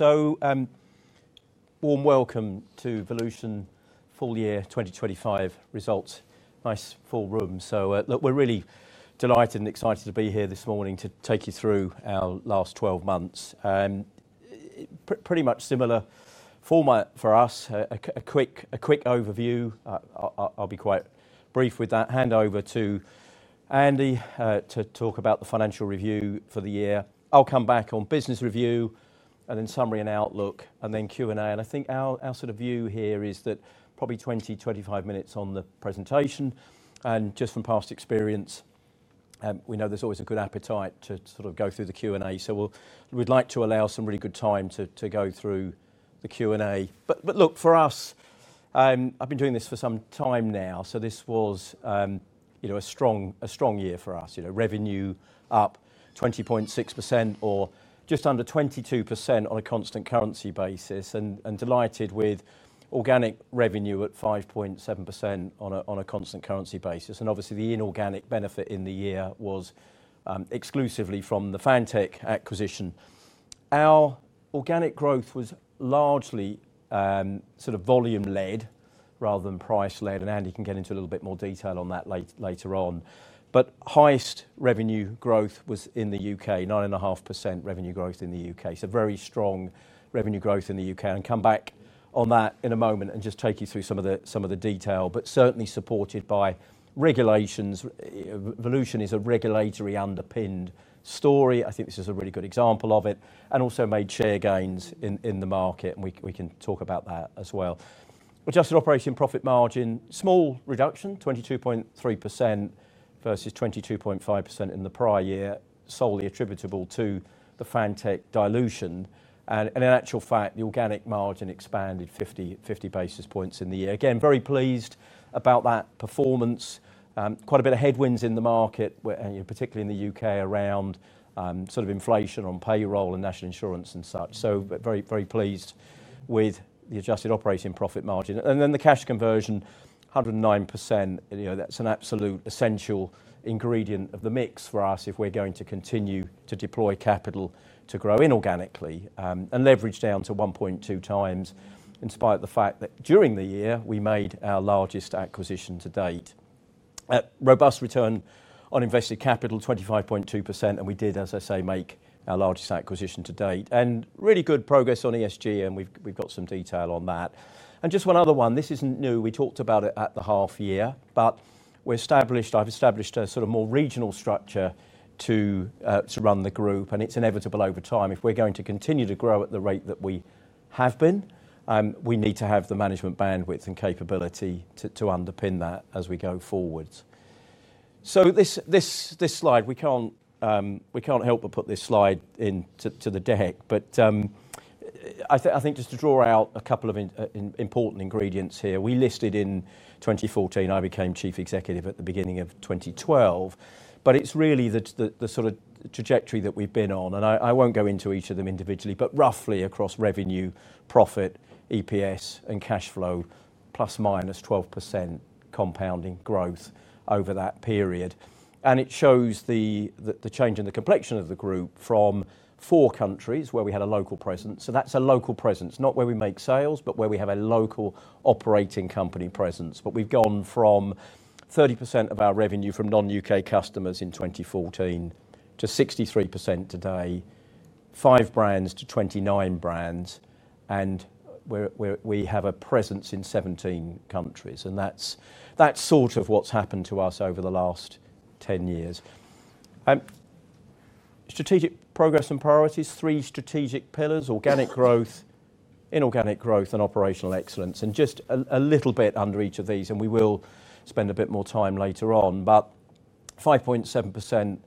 Warm welcome to Volution full year 2025 results. Nice full room. We're really delighted and excited to be here this morning to take you through our last 12 months. Pretty much similar format for us. A quick overview. I'll be quite brief with that. Hand over to Andy, to talk about the financial review for the year. I'll come back on business review and then summary and outlook and then Q&A. I think our sort of view here is that probably 20 minutes, 25 minutes on the presentation. Just from past experience, we know there's always a good appetite to sort of go through the Q&A. We'd like to allow some really good time to go through the Q&A. For us, I've been doing this for some time now. This was, you know, a strong, a strong year for us. Revenue up 20.6% or just under 22% on a constant currency basis. Delighted with organic revenue at 5.7% on a constant currency basis. Obviously the inorganic benefit in the year was exclusively from the Fantech acquisition. Our organic growth was largely, sort of volume-led rather than price-led. Andy can get into a little bit more detail on that later on. Highest revenue growth was in the U.K., 9.5% revenue growth in the U.K. Very strong revenue growth in the U.K. I'll come back on that in a moment and just take you through some of the detail. Certainly supported by regulations. Volution is a regulatory underpinned story. I think this is a really good example of it. Also made share gains in the market. We can talk about that as well. Adjusted operating profit margin, small reduction, 22.3% versus 22.5% in the prior year, solely attributable to the Fantech dilution. In actual fact, the organic margin expanded 50 basis points in the year. Again, very pleased about that performance. Quite a bit of headwinds in the market, particularly in the U.K. around, sort of inflation on payroll and national insurance and such. Very, very pleased with the adjusted operating profit margin. The cash conversion, 109%. That's an absolute essential ingredient of the mix for us if we're going to continue to deploy capital to grow inorganically, and leverage down to 1.2x in spite of the fact that during the year we made our largest acquisition to date. Robust return on invested capital, 25.2%. We did, as I say, make our largest acquisition to date. Really good progress on ESG. We've got some detail on that. Just one other one. This isn't new. We talked about it at the half year, but we've established, I've established a sort of more regional structure to run the group. It's inevitable over time. If we're going to continue to grow at the rate that we have been, we need to have the management bandwidth and capability to underpin that as we go forward. This slide, we can't help but put this slide into the deck. I think just to draw out a couple of important ingredients here. We listed in 2014, I became Chief Executive at the beginning of 2012. It's really the sort of trajectory that we've been on. I won't go into each of them individually, but roughly across revenue, profit, EPS, and cash flow, ±12% compounding growth over that period. It shows the change in the complexion of the group from four countries where we had a local presence. That's a local presence, not where we make sales, but where we have a local operating company presence. We've gone from 30% of our revenue from non-U.K. customers in 2014 to 63% today, 5 brands to 29 brands. We have a presence in 17 countries. That's sort of what's happened to us over the last 10 years. Strategic progress and priorities, three strategic pillars: organic growth, inorganic growth, and operational excellence. Just a little bit under each of these. We will spend a bit more time later on. 5.7%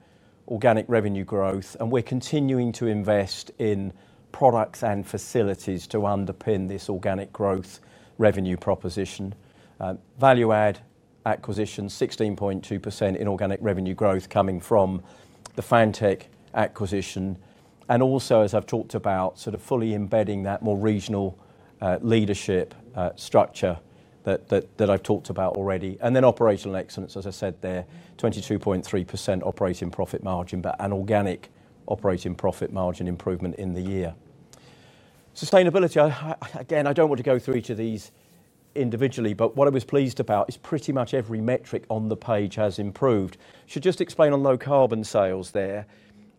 organic revenue growth. We're continuing to invest in products and facilities to underpin this organic growth revenue proposition. Value-add acquisition, 16.2% inorganic revenue growth coming from the Fantech acquisition. Also, as I've talked about, sort of fully embedding that more regional leadership structure that I've talked about already. Then operational excellence, as I said there, 22.3% operating profit margin, but an organic operating profit margin improvement in the year. Sustainability, again, I don't want to go through each of these individually, but what I was pleased about is pretty much every metric on the page has improved. Should just explain on low carbon sales there.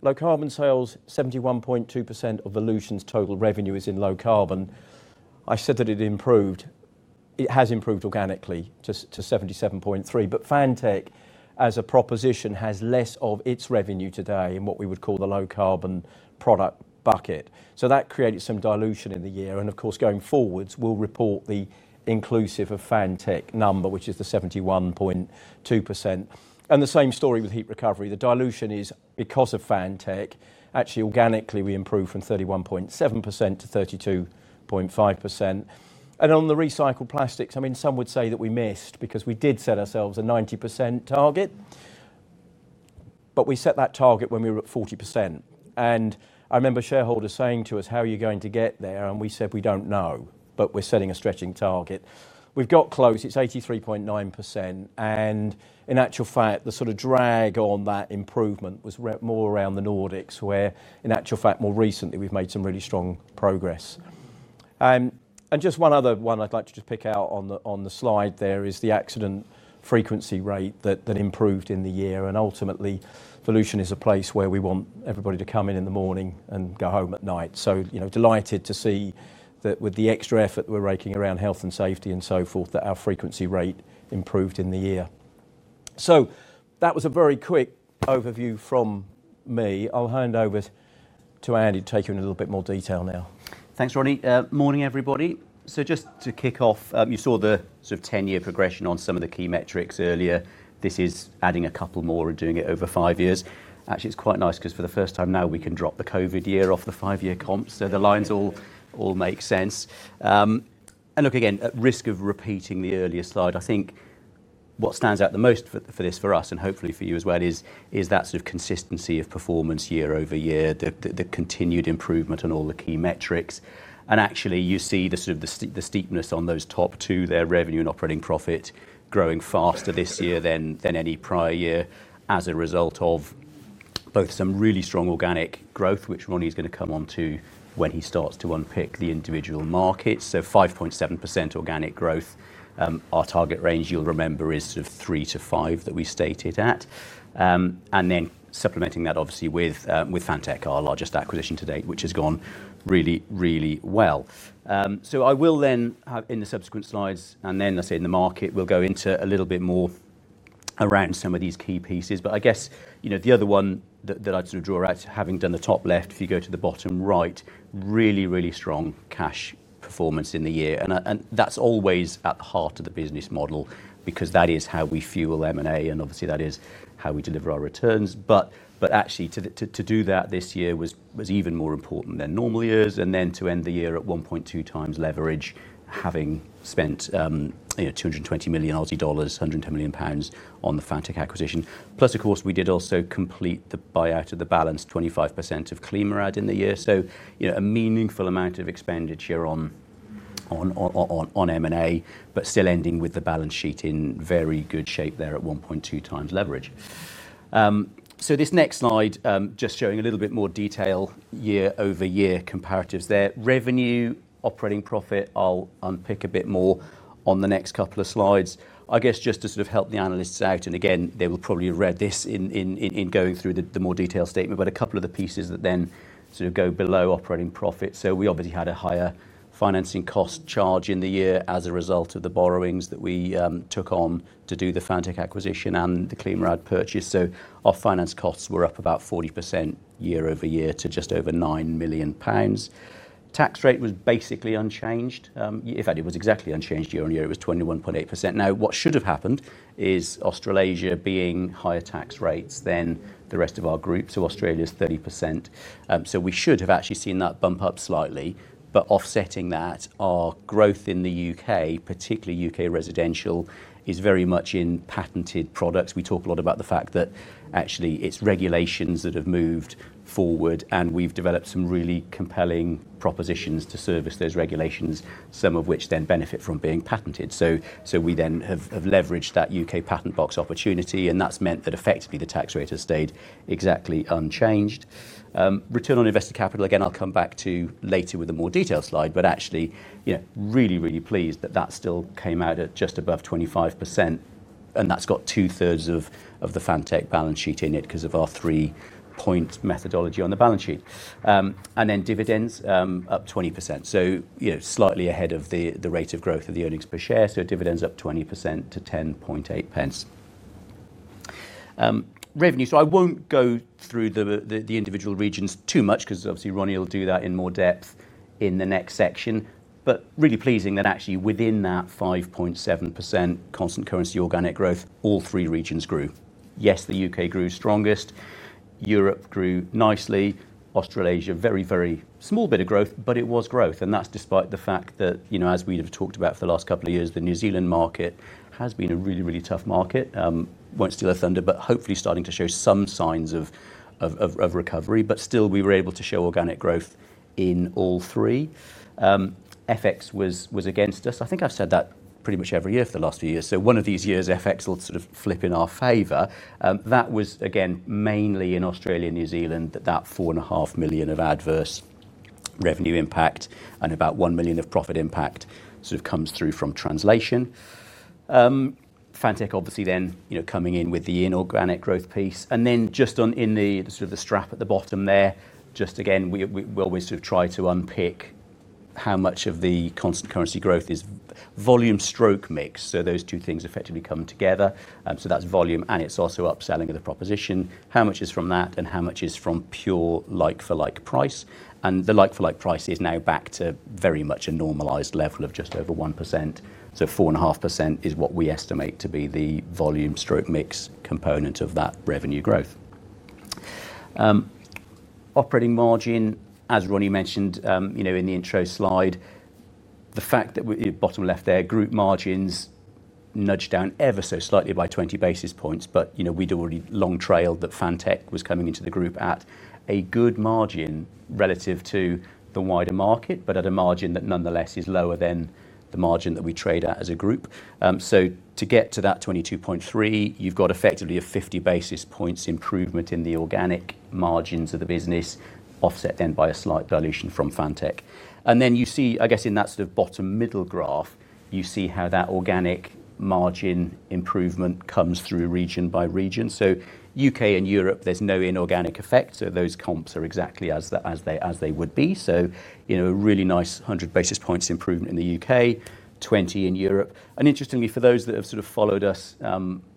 Low carbon sales, 71.2% of Volution's total revenue is in low carbon. I said that it improved. It has improved organically to 77.3%. Fantech, as a proposition, has less of its revenue today in what we would call the low carbon product bucket. That created some dilution in the year. Of course, going forwards, we'll report the inclusive of Fantech number, which is the 71.2%. The same story with heat recovery. The dilution is because of Fantech. Actually, organically, we improved from 31.7%-32.5%. On the recycled plastics, some would say that we missed because we did set ourselves a 90% target. We set that target when we were at 40%. I remember shareholders saying to us, "How are you going to get there?" and we said, "We don't know, but we're setting a stretching target." We've got close. It's 83.9%. In actual fact, the sort of drag on that improvement was more around the Nordics, where more recently, we've made some really strong progress. Just one other one I'd like to pick out on the slide there is the accident frequency rate that improved in the year. Ultimately, Volution is a place where we want everybody to come in in the morning and go home at night. Delighted to see that with the extra effort that we're making around health and safety and so forth, our frequency rate improved in the year. That was a very quick overview from me. I'll hand over to Andy to take you in a little bit more detail now. Thanks, Ronnie. Morning, everybody. Just to kick off, you saw the sort of 10-year progression on some of the key metrics earlier. This is adding a couple more and doing it over five years. Actually, it's quite nice because for the first time now we can drop the COVID year off the five-year comps. The lines all make sense. At risk of repeating the earlier slide, I think what stands out the most for this for us and hopefully for you as well is that sort of consistency of performance year-over-year, the continued improvement on all the key metrics. You see the sort of the steepness on those top two, their revenue and operating profit growing faster this year than any prior year as a result of both some really strong organic growth, which Ronnie is going to come onto when he starts to unpick the individual markets. 5.7% organic growth. Our target range, you'll remember, is sort of 3%-5% that we've stated at. Supplementing that, obviously, with Fantech, our largest acquisition to date, which has gone really, really well. I will then, in the subsequent slides, and then I say in the market, go into a little bit more around some of these key pieces. I guess, you know, the other one that I'd sort of draw out, having done the top left, if you go to the bottom right, really, really strong cash performance in the year. That's always at the heart of the business model because that is how we fuel M&A. Obviously, that is how we deliver our returns. To do that this year was even more important than normal years. To end the year at 1.2x leverage, having spent 220 million Aussie dollars, 110 million pounds on the Fantech acquisition. Plus, of course, we did also complete the buyout of the balance, 25% of ClimaRad in the year. A meaningful amount of expenditure on M&A, but still ending with the balance sheet in very good shape there at 1.2x leverage. This next slide, just showing a little bit more detail year-over-year comparatives there. Revenue, operating profit, I'll unpick a bit more on the next couple of slides. Just to sort of help the analysts out, and again, they will probably have read this in going through the more detailed statement, a couple of the pieces that then sort of go below operating profit. We obviously had a higher financing cost charge in the year as a result of the borrowings that we took on to do the Fantech acquisition and the ClimaRad purchase. Our finance costs were up about 40% year-over-year to just over 9 million pounds. Tax rate was basically unchanged. In fact, it was exactly unchanged year-on-year. It was 21.8%. What should have happened is Australasia being higher tax rates than the rest of our group. Australia's 30%. We should have actually seen that bump up slightly. Offsetting that, our growth in the U.K., particularly U.K. residential, is very much in patented products. We talk a lot about the fact that it's regulations that have moved forward and we've developed some really compelling propositions to service those regulations, some of which then benefit from being patented. We then have leveraged that U.K. patent box opportunity. That's meant that effectively the tax rate has stayed exactly unchanged. Return on invested capital, again, I'll come back to later with a more detailed slide. Really, really pleased that that still came out at just above 25%. That's got 2/3 of the Fantech balance sheet in it because of our three-point methodology on the balance sheet. Dividends up 20%. Slightly ahead of the rate of growth of the earnings per share. Dividends up 20% to 0.108. Revenue. I won't go through the individual regions too much because Ronnie will do that in more depth in the next section. Really pleasing that within that 5.7% constant currency organic growth, all three regions grew. Yes, the U.K. grew strongest. Europe grew nicely. Australasia, very, very small bit of growth, but it was growth. That's despite the fact that, as we have talked about for the last couple of years, the New Zealand market has been a really, really tough market. Won't steal a thunder, but hopefully starting to show some signs of recovery. Still, we were able to show organic growth in all three. FX was against us. I think I've said that pretty much every year for the last few years. One of these years, FX will sort of flip in our favor. That was, again, mainly in Australia and New Zealand that that 4.5 million of adverse revenue impact and about 1 million of profit impact comes through from translation. Fantech obviously then coming in with the inorganic growth piece. On the strap at the bottom there, we always try to unpick how much of the constant currency growth is volume stroke mix. Those two things effectively come together. That's volume and it's also upselling of the proposition. How much is from that and how much is from pure like-for-like price? The like-for-like price is now back to very much a normalized level of just over 1%. Four and a half percent is what we estimate to be the volume stroke mix component of that revenue growth. Operating margin, as Ronnie mentioned in the intro slide, the fact that we're bottom left there, group margins nudged down ever so slightly by 20 basis points. We'd already long trailed that Fantech was coming into the group at a good margin relative to the wider market, but at a margin that nonetheless is lower than the margin that we trade at as a group. To get to that 22.3%, you've got effectively a 50 basis points improvement in the organic margins of the business, offset then by a slight dilution from Fantech. In that bottom middle graph, you see how that organic margin improvement comes through region by region. U.K. and Europe, there's no inorganic effect. Those comps are exactly as they would be. A really nice 100 basis points improvement in the U.K., 20 basis points in Europe. Interestingly, for those that have followed us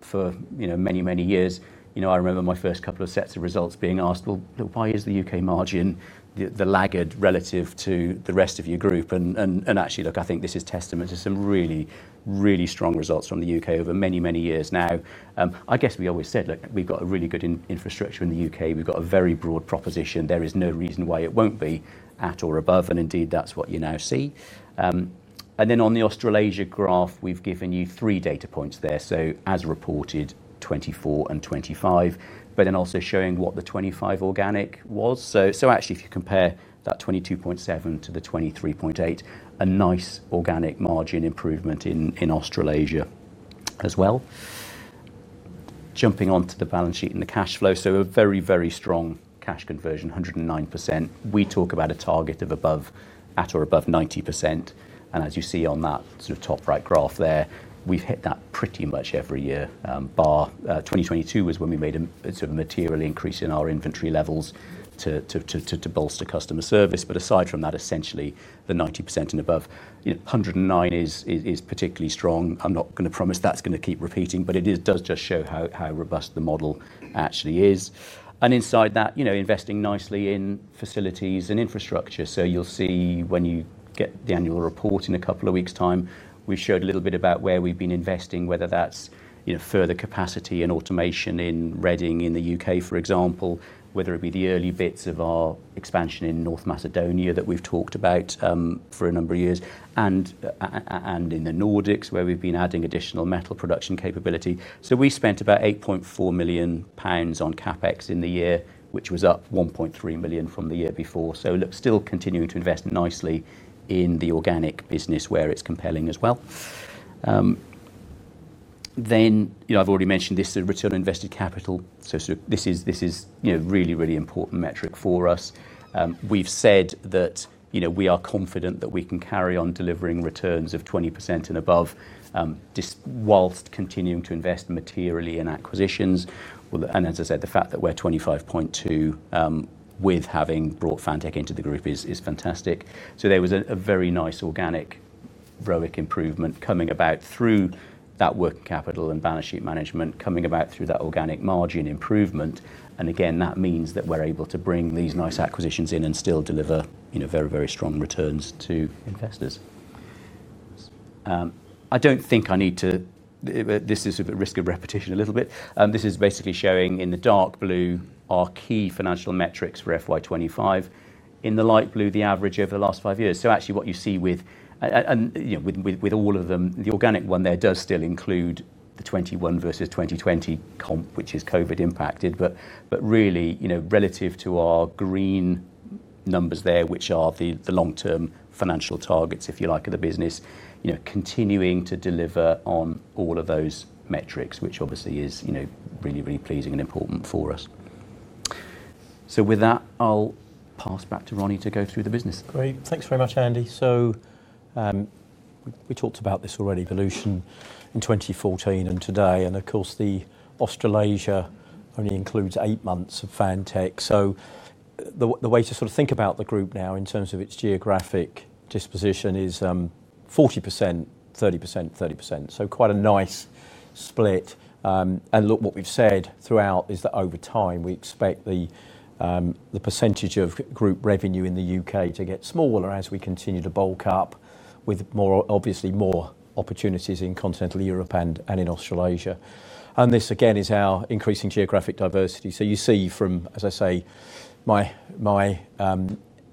for many, many years, I remember my first couple of sets of results being asked, why is the U.K. margin the laggard relative to the rest of your group? Actually, I think this is testament to some really, really strong results from the U.K. over many, many years now. We always said, we've got a really good infrastructure in the U.K. We've got a very broad proposition. There is no reason why it won't be at or above. Indeed, that's what you now see. On the Australasia graph, we've given you three data points there. As reported, 2024 and 2025, but also showing what the 2025 organic was. If you compare that 22.7% to the 23.8%, a nice organic margin improvement in Australasia as well. Jumping onto the balance sheet and the cash flow, a very, very strong cash conversion, 109%. We talk about a target of at or above 90%. As you see on that top right graph there, we've hit that pretty much every year. 2022 was when we made a sort of material increase in our inventory levels to bolster customer service. Aside from that, essentially the 90% and above, you know, 109% is particularly strong. I'm not going to promise that's going to keep repeating, but it does just show how robust the model actually is. Inside that, you know, investing nicely in facilities and infrastructure. You'll see when you get the annual report in a couple of weeks' time, we showed a little bit about where we've been investing, whether that's, you know, further capacity and automation in Reading in the U.K., for example, whether it be the early bits of our expansion in North Macedonia that we've talked about for a number of years. In the Nordics, where we've been adding additional metal production capability. We spent about 8.4 million pounds on CapEx in the year, which was up 1.3 million from the year before. Still continuing to invest nicely in the organic business where it's compelling as well. I've already mentioned this sort of return on invested capital. This is, you know, really, really important metric for us. We've said that, you know, we are confident that we can carry on delivering returns of 20% and above, whilst continuing to invest materially in acquisitions. The fact that we're 25.2%, with having brought Fantech into the group is fantastic. There was a very nice organic ROIC improvement coming about through that working capital and balance sheet management, coming about through that organic margin improvement. That means that we're able to bring these nice acquisitions in and still deliver, you know, very, very strong returns to investors. I don't think I need to, this is sort of a risk of repetition a little bit. This is basically showing in the dark blue, our key financial metrics for FY 2025. In the light blue, the average over the last five years. What you see with, and you know, with all of them, the organic one there does still include the 2021 versus 2020 comp, which is COVID impacted. Relative to our green numbers there, which are the long-term financial targets, if you like, of the business, you know, continuing to deliver on all of those metrics, which obviously is, you know, really, really pleasing and important for us. With that, I'll pass back to Ronnie to go through the business. Great. Thanks very much, Andy. We talked about this already, Volution in 2014 and today. Of course, the Australasia only includes eight months of Fantech. The way to sort of think about the group now in terms of its geographic disposition is 40%, 30%, 30%. Quite a nice split. What we've said throughout is that over time we expect the percentage of group revenue in the U.K. to get smaller as we continue to bulk up with more, obviously more opportunities in continental Europe and in Australasia. This again is our increasing geographic diversity. You see from, as I say, my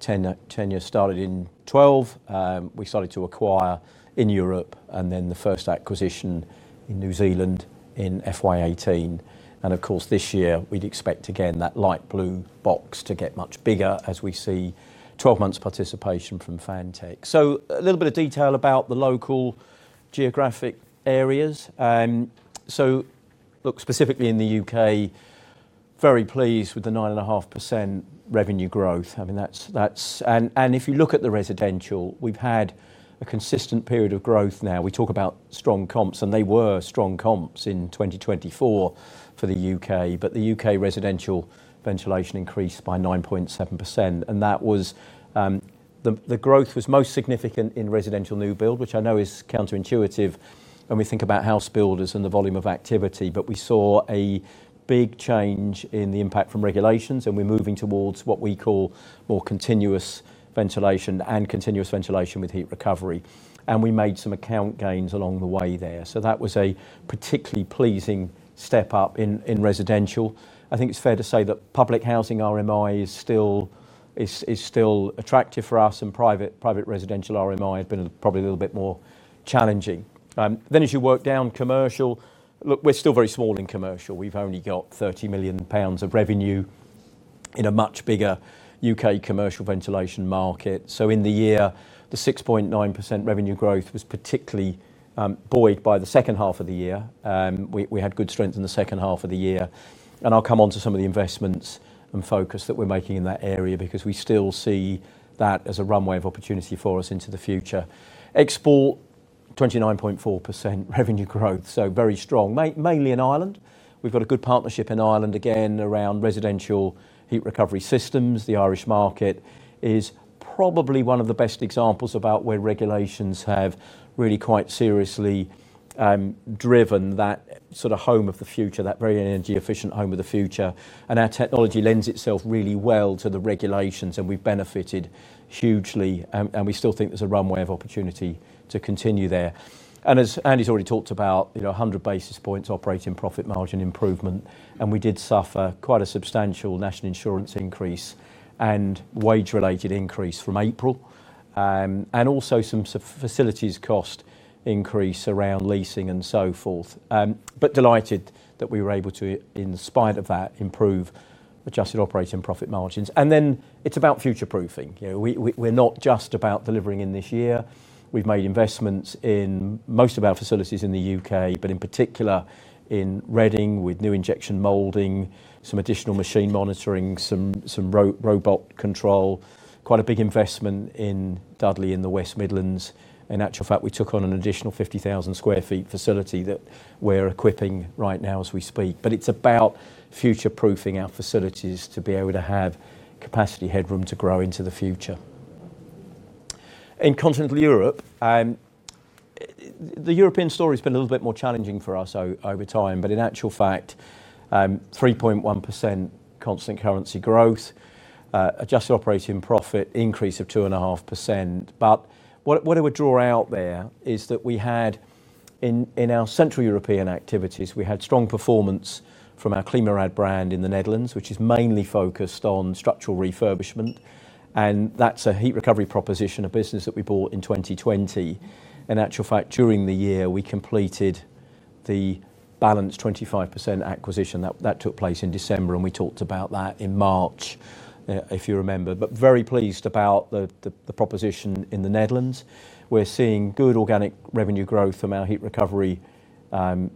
tenure started in 2012. We started to acquire in Europe and then the first acquisition in New Zealand in FY2018. Of course, this year we'd expect again that light blue box to get much bigger as we see 12 months participation from Fantech. A little bit of detail about the local geographic areas. Specifically in the U.K., very pleased with the 9.5% revenue growth. I mean, that's, that's, and if you look at the residential, we've had a consistent period of growth now. We talk about strong comps and they were strong comps in 2024 for the U.K., but the U.K. residential ventilation increased by 9.7%. The growth was most significant in residential new build, which I know is counterintuitive when we think about house builders and the volume of activity. We saw a big change in the impact from regulations and we're moving towards what we call more continuous ventilation and continuous ventilation with heat recovery. We made some account gains along the way there. That was a particularly pleasing step up in residential. I think it's fair to say that public housing RMI is still attractive for us and private residential RMI has been probably a little bit more challenging. As you work down commercial, we're still very small in commercial. We've only got 30 million pounds of revenue in a much bigger U.K. commercial ventilation market. In the year, the 6.9% revenue growth was particularly buoyed by the second half of the year. We had good strength in the second half of the year. I'll come on to some of the investments and focus that we're making in that area because we still see that as a runway of opportunity for us into the future. Export, 29.4% revenue growth. Very strong, mainly in Ireland. We've got a good partnership in Ireland again around residential heat recovery systems. The Irish market is probably one of the best examples about where regulations have really quite seriously driven that sort of home of the future, that very energy efficient home of the future. Our technology lends itself really well to the regulations and we've benefited hugely. We still think there's a runway of opportunity to continue there. As Andy's already talked about, you know, 100 basis points operating profit margin improvement. We did suffer quite a substantial national insurance increase and wage-related increase from April, and also some facilities cost increase around leasing and so forth. I'm delighted that we were able to, in spite of that, improve adjusted operating profit margins. It's about future proofing. We're not just about delivering in this year. We've made investments in most of our facilities in the U.K., but in particular in Reading with new injection molding, some additional machine monitoring, some robot control. Quite a big investment in Dudley in the West Midlands. In actual fact, we took on an additional 50,000 sq ft facility that we're equipping right now as we speak. It's about future proofing our facilities to be able to have capacity headroom to grow into the future. In continental Europe, the European story has been a little bit more challenging for us over time. In actual fact, 3.1% constant currency growth, adjusted operating profit increase of 2.5%. What I would draw out there is that we had in our Central European activities, we had strong performance from our CleanerAd brand in the Netherlands, which is mainly focused on structural refurbishment. That's a heat recovery proposition, a business that we bought in 2020. In actual fact, during the year, we completed the balanced 25% acquisition that took place in December. We talked about that in March, if you remember. Very pleased about the proposition in the Netherlands. We're seeing good organic revenue growth from our heat recovery,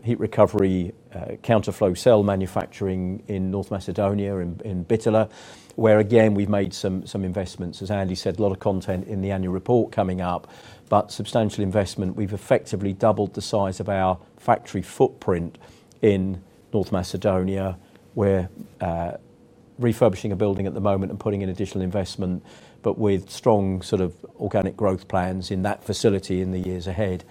heat recovery counterflow cell manufacturing in North Macedonia in Bitola, where again we've made some investments. As Andy said, a lot of content in the annual report coming up, but substantial investment. We've effectively doubled the size of our factory footprint in North Macedonia. We're refurbishing a building at the moment and putting in additional investment, with strong sort of organic growth plans in that facility in the years ahead.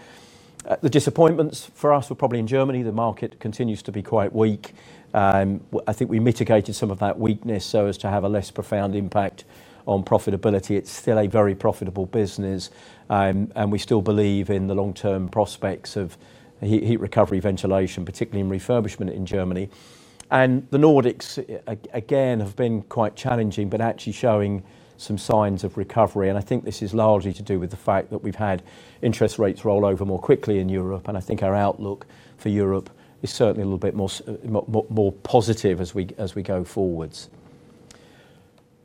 The disappointments for us were probably in Germany. The market continues to be quite weak. I think we mitigated some of that weakness so as to have a less profound impact on profitability. It's still a very profitable business. We still believe in the long-term prospects of heat recovery ventilation, particularly in refurbishment in Germany. The Nordics again have been quite challenging, actually showing some signs of recovery. I think this is largely to do with the fact that we've had interest rates roll over more quickly in Europe. I think our outlook for Europe is certainly a little bit more positive as we go forward.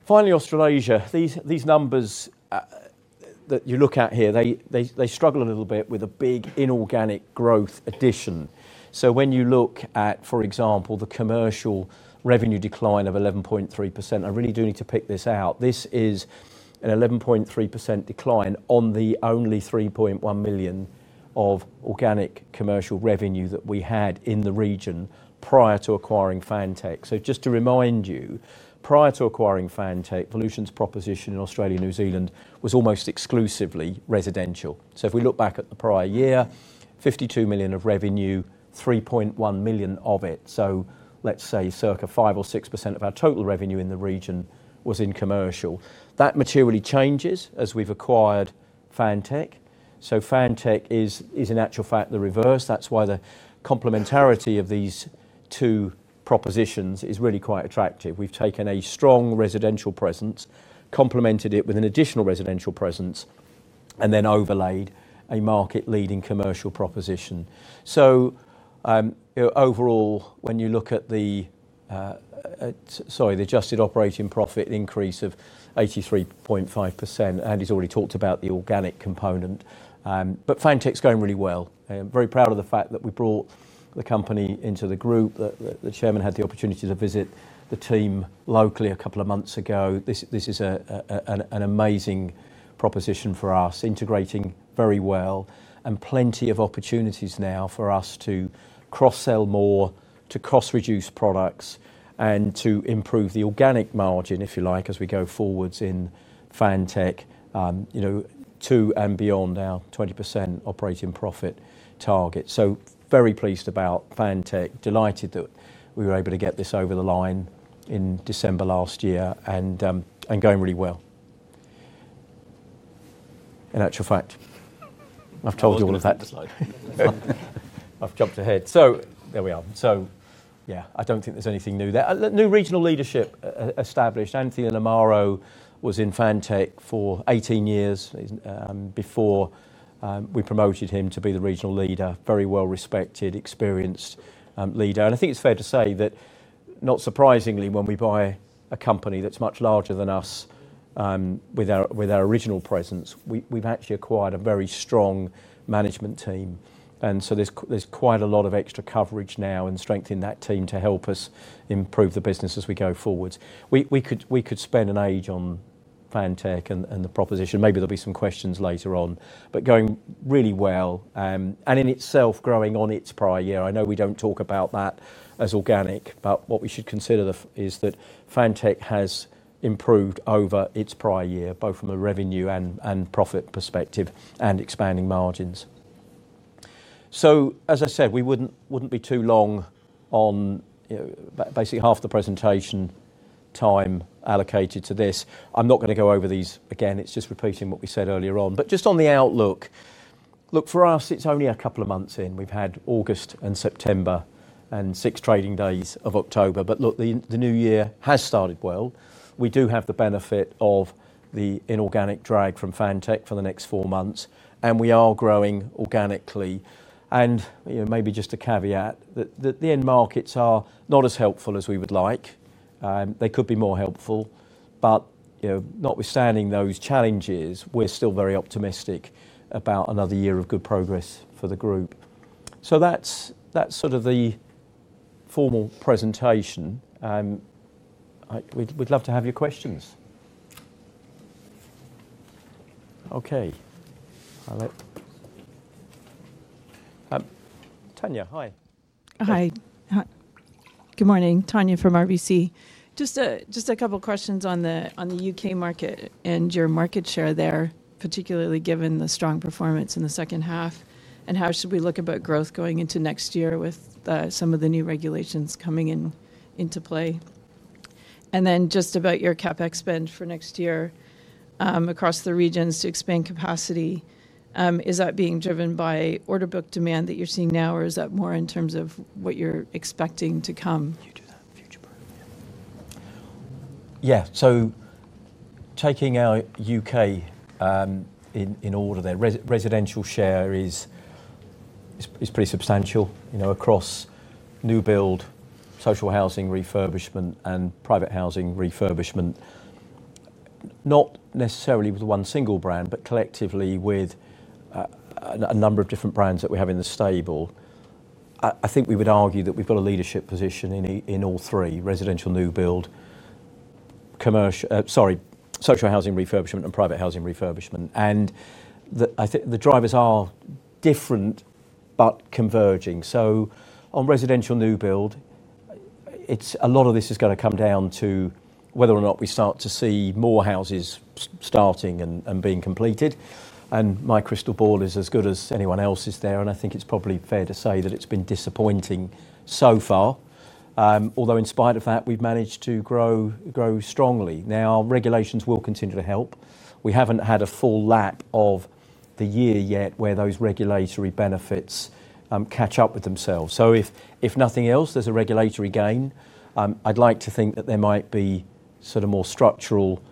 Finally, Australasia. These numbers that you look at here, they struggle a little bit with a big inorganic growth addition. When you look at, for example, the commercial revenue decline of 11.3%, I really do need to pick this out. This is an 11.3% decline on the only 3.1 million of organic commercial revenue that we had in the region prior to acquiring Fantech. Just to remind you, prior to acquiring Fantech, Volution's proposition in Australia and New Zealand was almost exclusively residential. If we look back at the prior year, 52 million of revenue, 3.1 million of it, let's say circa 5% or 6% of our total revenue in the region was in commercial. That materially changes as we've acquired Fantech. Fantech is in actual fact the reverse. That's why the complementarity of these two propositions is really quite attractive. We've taken a strong residential presence, complemented it with an additional residential presence, and then overlaid a market-leading commercial proposition. Overall, when you look at the adjusted operating profit increase of 83.5%, Andy's already talked about the organic component. Fantech's going really well. I'm very proud of the fact that we brought the company into the group. The Chairman had the opportunity to visit the team locally a couple of months ago. This is an amazing proposition for us, integrating very well and plenty of opportunities now for us to cross-sell more, to cost-reduce products, and to improve the organic margin, if you like, as we go forward in Fantech, to and beyond our 20% operating profit target. Very pleased about Fantech, delighted that we were able to get this over the line in December last year and going really well. In actual fact, I've told you all of that. I've jumped ahead. There we are. Yeah, I don't think there's anything new there. New regional leadership established. [Andy Alleman] was in Fantech for 18 years before we promoted him to be the regional leader, very well-respected, experienced leader. I think it's fair to say that, not surprisingly, when we buy a company that's much larger than us with our original presence, we've actually acquired a very strong management team. There's quite a lot of extra coverage now and strength in that team to help us improve the business as we go forward. We could spend an age on Fantech and the proposition. Maybe there'll be some questions later on, but going really well and in itself growing on its prior year. I know we don't talk about that as organic, but what we should consider is that Fantech has improved over its prior year, both from a revenue and profit perspective and expanding margins. As I said, we wouldn't be too long on basically half the presentation time allocated to this. I'm not going to go over these again. It's just repeating what we said earlier on. Just on the outlook, for us, it's only a couple of months in. We've had August and September and six trading days of October. The new year has started well. We do have the benefit of the inorganic drag from Fantech for the next four months. We are growing organically. Maybe just a caveat that the end markets are not as helpful as we would like. They could be more helpful. Notwithstanding those challenges, we're still very optimistic about another year of good progress for the group. That's sort of the formal presentation. We'd love to have your questions. Okay. I'll let [Tanya], hi. Good morning. [Tanya] from RBC. Just a couple of questions on the U.K. market and your market share there, particularly given the strong performance in the second half. How should we look about growth going into next year with some of the new regulations coming into play? Just about your CapEx spend for next year across the regions to expand capacity, is that being driven by order book demand that you're seeing now, or is that more in terms of what you're expecting to come? Yeah. Taking our U.K. in order there, residential share is pretty substantial, you know, across new build, social housing refurbishment, and private housing refurbishment. Not necessarily with one single brand, but collectively with a number of different brands that we have in the stable. I think we would argue that we've got a leadership position in all three, residential new build, social housing refurbishment, and private housing refurbishment. I think the drivers are different but converging. On residential new build, a lot of this is going to come down to whether or not we start to see more houses starting and being completed. My crystal ball is as good as anyone else's there. I think it's probably fair to say that it's been disappointing so far. Although in spite of that, we've managed to grow strongly. Our regulations will continue to help. We haven't had a full lap of the year yet where those regulatory benefits catch up with themselves. If nothing else, there's a regulatory gain. I'd like to think that there might be sort of more structural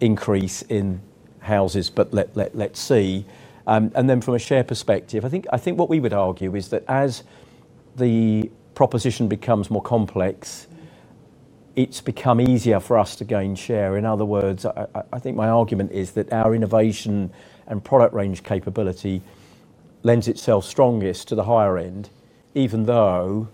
increase in houses, but let's see. From a share perspective, I think what we would argue is that as the proposition becomes more complex, it's become easier for us to gain share. In other words, I think my argument is that our innovation and product range capability lends itself strongest to the higher end, even though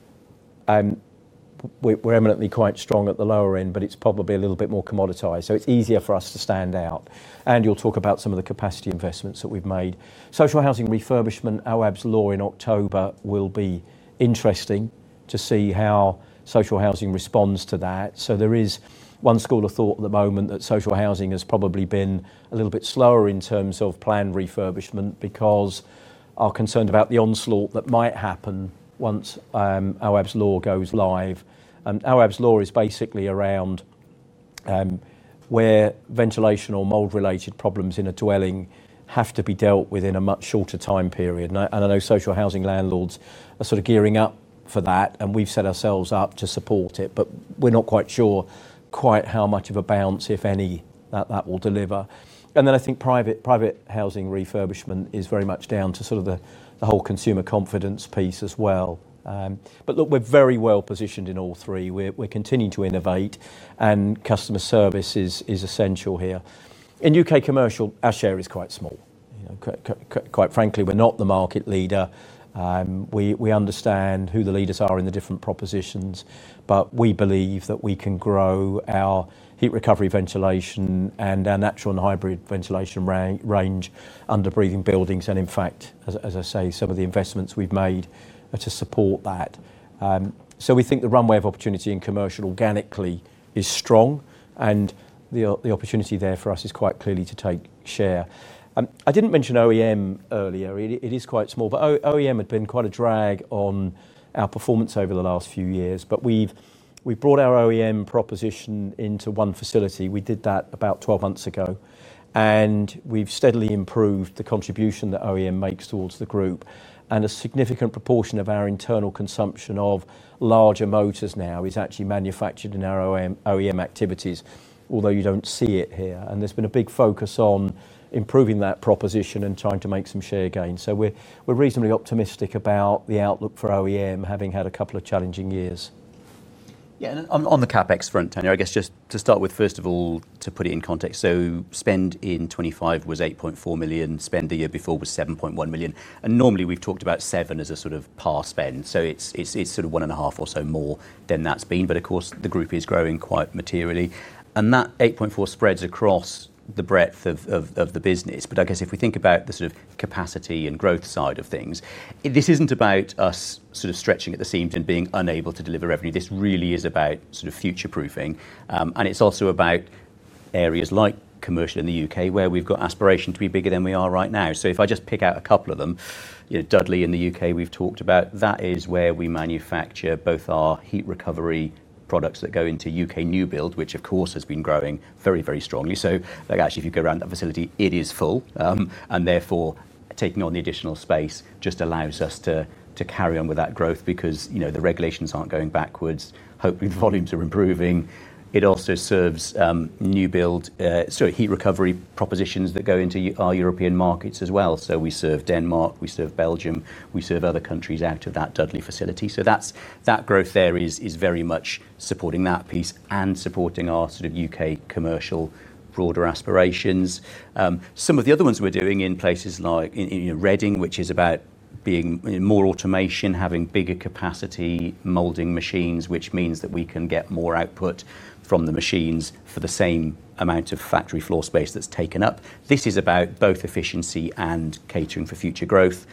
we're eminently quite strong at the lower end, but it's probably a little bit more commoditized. It's easier for us to stand out. You'll talk about some of the capacity investments that we've made. Social Housing refurbishment, Awaab’s Law in October will be interesting to see how social housing responds to that. There is one school of thought at the moment that Social Housing has probably been a little bit slower in terms of planned refurbishment because we're concerned about the onslaught that might happen once Awaab’s Law goes live. Awaab’s Law is basically around where ventilation or mold-related problems in a dwelling have to be dealt within a much shorter time period. I know social housing landlords are sort of gearing up for that. We've set ourselves up to support it, but we're not quite sure quite how much of a bounce, if any, that that will deliver. I think private housing refurbishment is very much down to sort of the whole consumer confidence piece as well. Look, we're very well positioned in all three. We're continuing to innovate, and customer service is essential here. In U.K. commercial, our share is quite small. Quite frankly, we're not the market leader. We understand who the leaders are in the different propositions, but we believe that we can grow our heat recovery ventilation and our natural and hybrid ventilation range under Breathing Buildings. In fact, as I say, some of the investments we've made are to support that. We think the runway of opportunity in commercial organically is strong, and the opportunity there for us is quite clearly to take share. I didn't mention OEM earlier. It is quite small, but OEM had been quite a drag on our performance over the last few years. We've brought our OEM proposition into one facility. We did that about 12 months ago, and we've steadily improved the contribution that OEM makes towards the group. A significant proportion of our internal consumption of larger motors now is actually manufactured in our OEM activities, although you don't see it here. There's been a big focus on improving that proposition and trying to make some share gains. We're reasonably optimistic about the outlook for OEM, having had a couple of challenging years. Yeah, and on the CapEx front, Tanya, I guess just to start with, first of all, to put it in context, spend in 2025 was 8.4 million. Spend the year before was 7.1 million. Normally we've talked about [7 million] as a sort of par spend. It's sort of [1.5 million] or so more than that's been. Of course, the group is growing quite materially, and that 8.4 million spreads across the breadth of the business. If we think about the sort of capacity and growth side of things, this isn't about us stretching at the seams and being unable to deliver revenue. This really is about future proofing. It's also about areas like commercial in the U.K. where we've got aspiration to be bigger than we are right now. If I just pick out a couple of them, Dudley in the U.K. we've talked about, that is where we manufacture both our heat recovery products that go into U.K. new build, which of course has been growing very, very strongly. If you go around that facility, it is full, and therefore taking on the additional space just allows us to carry on with that growth because the regulations aren't going backwards. Hopefully, volumes are improving. It also serves new build, so heat recovery propositions that go into our European markets as well. We serve Denmark, we serve Belgium, we serve other countries out of that Dudley facility. That growth there is very much supporting that piece and supporting our U.K. commercial broader aspirations. Some of the other ones we're doing in places like in Reading, which is about being more automation, having bigger capacity molding machines, which means that we can get more output from the machines for the same amount of factory floor space that's taken up. This is about both efficiency and catering for future growth.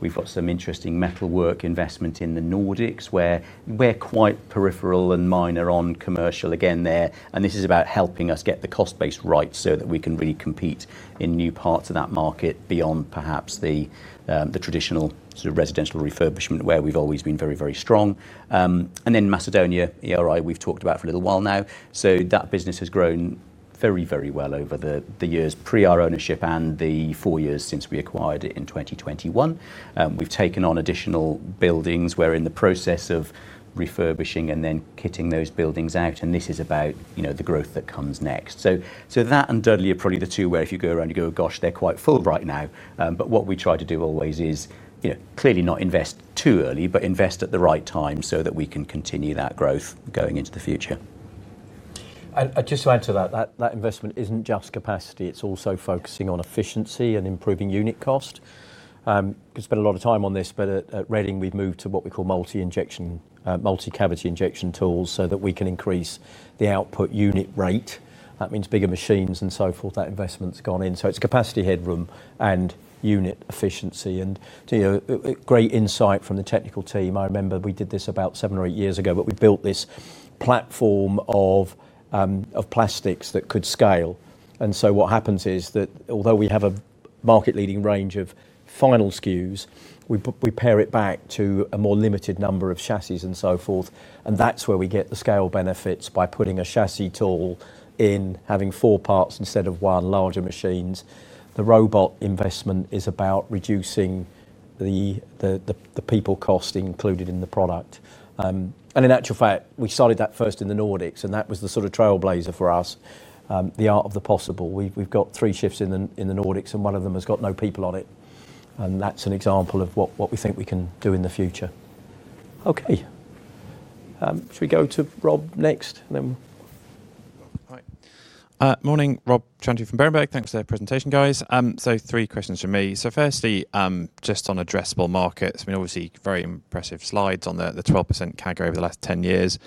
We've got some interesting metal work investment in the Nordics where we're quite peripheral and minor on commercial again there. This is about helping us get the cost base right so that we can really compete in new parts of that market beyond perhaps the traditional residential refurbishment where we've always been very, very strong. Then North Macedonia, ERI, we've talked about for a little while now. That business has grown very, very well over the years pre-our ownership and the four years since we acquired it in 2021. We've taken on additional buildings. We're in the process of refurbishing and then kitting those buildings out. This is about, you know, the growth that comes next. Dudley is probably the one where, if you go around, you go, gosh, they're quite full right now. What we try to do always is, you know, clearly not invest too early, but invest at the right time so that we can continue that growth going into the future. Just to add to that, that investment isn't just capacity. It's also focusing on efficiency and improving unit cost. We could spend a lot of time on this, but at Reading, we've moved to what we call multi-incision, multi-cavity injection tools so that we can increase the output unit rate. That means bigger machines and so forth. That investment's gone in. It's capacity headroom and unit efficiency. To your great insight from the technical team, I remember we did this about seven or eight years ago, but we built this platform of plastics that could scale. What happens is that although we have a market-leading range of final SKUs, we pair it back to a more limited number of chassis and so forth. That's where we get the scale benefits by putting a chassis tool in, having four parts instead of one larger machine. The robot investment is about reducing the people cost included in the product. In actual fact, we started that first in the Nordics, and that was the sort of trailblazer for us, the art of the possible. We've got three shifts in the Nordics, and one of them has got no people on it. That's an example of what we think we can do in the future. Okay. Should we go to Rob next? Morning, Rob Chantry from Berenberg. Thanks for the presentation, guys. Three questions from me. Firstly, just on addressable markets, obviously very impressive slides on the 12% CAGR over the last 10 years.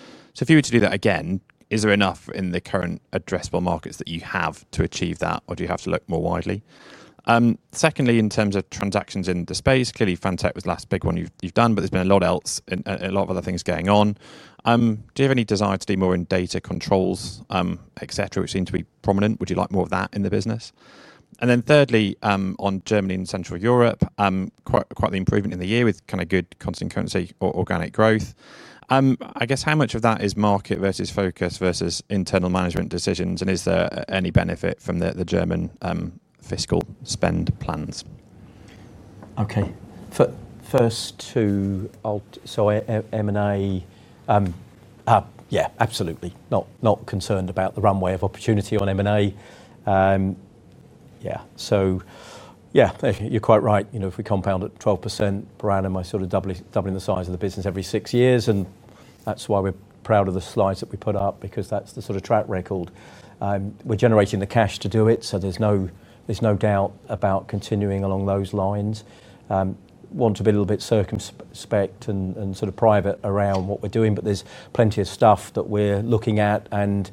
If you were to do that again, is there enough in the current addressable markets that you have to achieve that, or do you have to look more widely? Secondly, in terms of transactions in the space, clearly Fantech was the last big one you've done, but there's been a lot else and a lot of other things going on. Do you have any desire to do more in data controls, etc., which seem to be prominent? Would you like more of that in the business? Thirdly, on Germany and Central Europe, quite the improvement in the year with kind of good constant currency or organic growth. I guess how much of that is market versus focus versus internal management decisions? Is there any benefit from the German fiscal spend plans? Okay. First, M&A, yeah, absolutely. Not concerned about the runway of opportunity on M&A. Yeah, you're quite right. You know, if we compound it 12% per annum, I sort of double the size of the business every six years. That's why we're proud of the slides that we put up because that's the sort of track record. We're generating the cash to do it. There's no doubt about continuing along those lines. Want to be a little bit circumspect and sort of private around what we're doing, but there's plenty of stuff that we're looking at and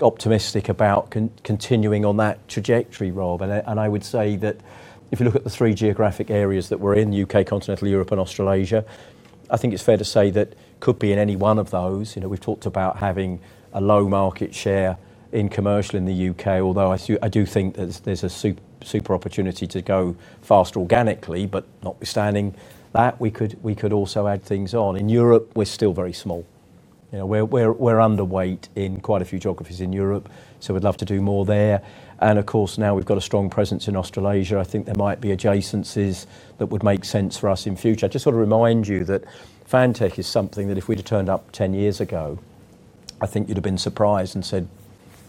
optimistic about continuing on that trajectory, Rob. I would say that if you look at the three geographic areas that we're in, U.K., continental Europe, and Australasia, I think it's fair to say that could be in any one of those. We've talked about having a low market share in commercial in the U.K., although I do think that there's a super opportunity to go fast organically, but notwithstanding that, we could also add things on. In Europe, we're still very small. We're underweight in quite a few geographies in Europe. We'd love to do more there. Of course, now we've got a strong presence in Australasia. I think there might be adjacencies that would make sense for us in the future. I just want to remind you that Fantech is something that if we'd have turned up 10 years ago, I think you'd have been surprised and said,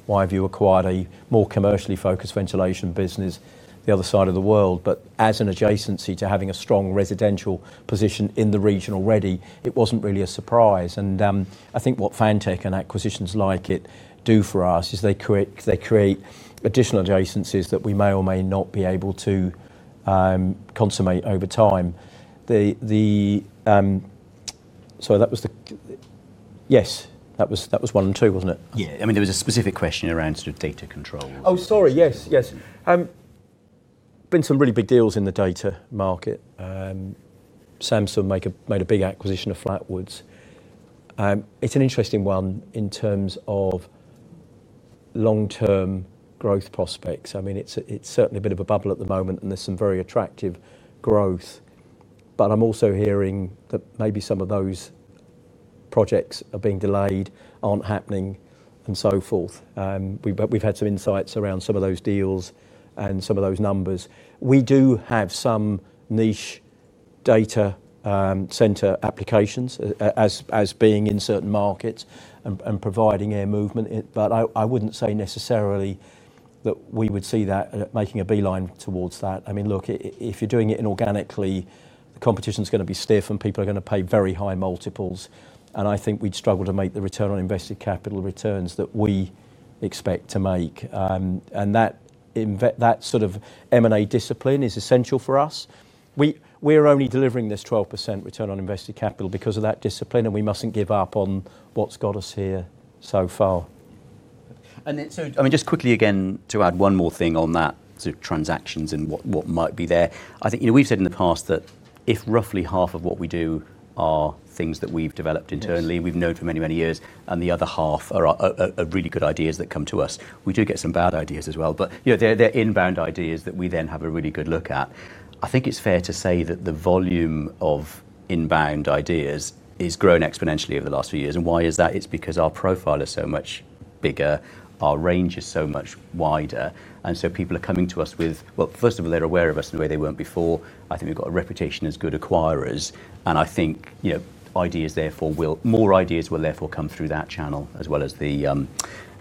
why have you acquired a more commercially focused ventilation business the other side of the world? As an adjacency to having a strong residential position in the region already, it wasn't really a surprise. I think what Fantech and acquisitions like it do for us is they create additional adjacencies that we may or may not be able to consummate over time. That was the, yes, that was one and two, wasn't it? Yeah, there was a specific question around sort of data control. Oh, sorry, yes, yes. There have been some really big deals in the data market. Samsung made a big acquisition of FläktGroup. It's an interesting one in terms of long-term growth prospects. I mean, it's certainly a bit of a bubble at the moment, and there's some very attractive growth. I'm also hearing that maybe some of those projects are being delayed, aren't happening, and so forth. We've had some insights around some of those deals and some of those numbers. We do have some niche data center applications as being in certain markets and providing air movement. I wouldn't say necessarily that we would see that making a beeline towards that. If you're doing it inorganically, the competition is going to be stiff and people are going to pay very high multiples. I think we'd struggle to make the return on invested capital returns that we expect to make. That sort of M&A discipline is essential for us. We are only delivering this 12% return on invested capital because of that discipline, and we mustn't give up on what's got us here so far. I mean, just quickly again to add one more thing on that sort of transactions and what might be there. I think, you know, we've said in the past that if roughly half of what we do are things that we've developed internally, we've known for many, many years, and the other half are really good ideas that come to us. We do get some bad ideas as well, but they're inbound ideas that we then have a really good look at. I think it's fair to say that the volume of inbound ideas has grown exponentially over the last few years. Why is that? It's because our profile is so much bigger, our range is so much wider. People are coming to us with, first of all, they're aware of us in the way they weren't before. I think we've got a reputation as good acquirers. I think, you know, more ideas will therefore come through that channel as well as the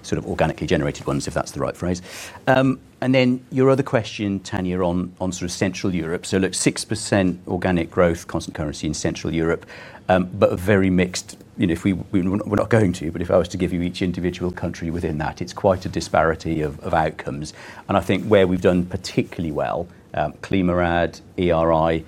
sort of organically generated ones, if that's the right phrase. Your other question, [Tanya], on sort of Central Europe. Look, 6% organic growth, constant currency in Central Europe, but a very mixed, you know, if we, we're not going to, but if I was to give you each individual country within that, it's quite a disparity of outcomes. I think where we've done particularly well, ClimaRad, ERI,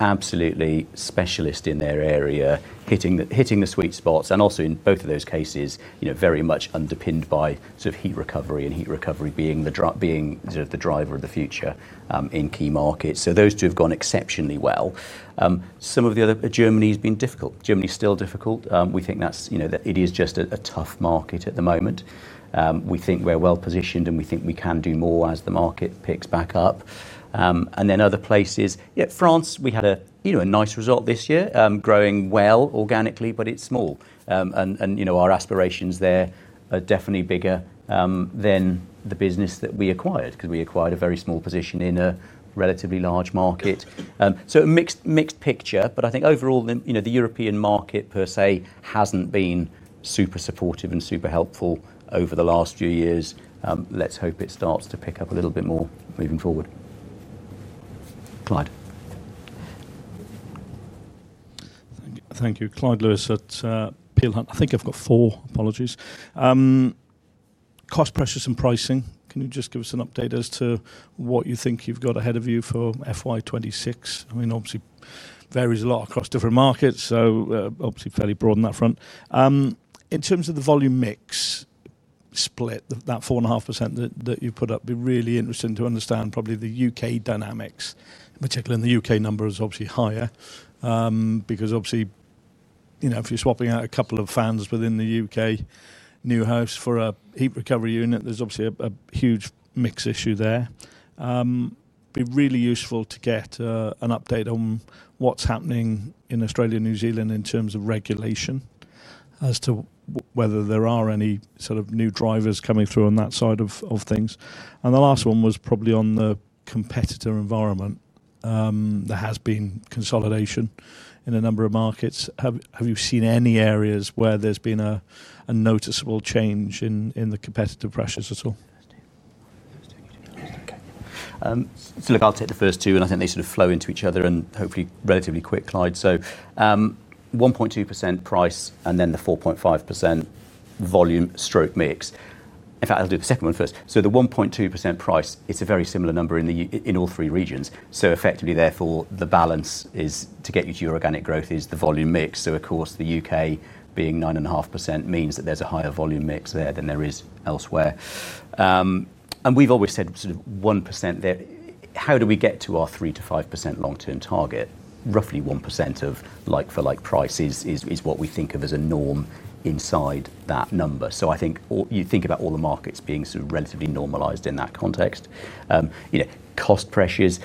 absolutely specialist in their area, hitting the sweet spots. Also in both of those cases, very much underpinned by sort of heat recovery and heat recovery being the driver of the future in key markets. Those two have gone exceptionally well. Some of the other, Germany's been difficult. Germany's still difficult. We think that's, you know, that it is just a tough market at the moment. We think we're well positioned and we think we can do more as the market picks back up. Other places, France, we had a nice result this year, growing well organically, but it's small. Our aspirations there are definitely bigger than the business that we acquired because we acquired a very small position in a relatively large market. A mixed picture, but I think overall, the European market per se hasn't been super supportive and super helpful over the last few years. Let's hope it starts to pick up a little bit more moving forward. Thank you, Clyde Lewis at Peel Hunt. I think I've got four, apologies. Cost pressures and pricing. Can you just give us an update as to what you think you've got ahead of you for FY 2026? I mean, obviously it varies a lot across different markets, so obviously fairly broad on that front. In terms of the volume mix split, that 4.5% that you put up, it'd be really interesting to understand probably the U.K. dynamics, particularly in the U.K. number is obviously higher because, obviously, you know, if you're swapping out a couple of fans within the U.K. new homes for a heat recovery ventilation unit, there's obviously a huge mix issue there. It'd be really useful to get an update on what's happening in Australia and New Zealand in terms of regulation as to whether there are any sort of new drivers coming through on that side of things. The last one was probably on the competitor environment. There has been consolidation in a number of markets. Have you seen any areas where there's been a noticeable change in the competitive pressures at all? I'll take the first two, and I think they sort of flow into each other and hopefully relatively quick, Clyde. 1.2% price and then the 4.5% volume/mix. In fact, I'll do the second one first. The 1.2% price is a very similar number in all three regions. Effectively, therefore, the balance to get you to your organic growth is the volume mix. Of course, the U.K. being 9.5% means that there's a higher volume mix there than there is elsewhere. We've always said sort of 1% there. How do we get to our 3%-5% long-term target? Roughly 1% of like-for-like prices is what we think of as a norm inside that number. I think you think about all the markets being sort of relatively normalized in that context. Cost pressures,